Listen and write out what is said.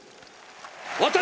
私